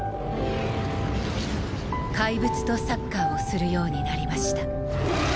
かいぶつとサッカーをするようになりました